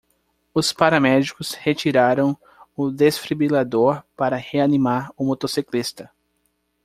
Os paramédicos retiraram o desfibrilador para reanimar o motociclista.